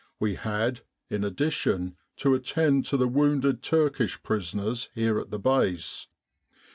We had, in addition, to attend to the wounded Turkish prisoners here at the base.